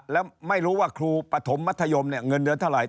แล้วไม่รู้ว่าครูปฐมมัธยมเงินเดือนเท่าไหร